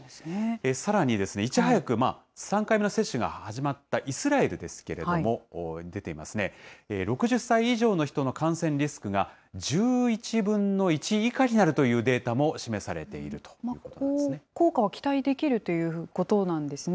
さらに、いち早く３回目の接種が始まったイスラエルですけれども、出ていますね、６０歳以上の人の感染リスクが１１分の１以下になるというデータ効果は期待できるということなんですね。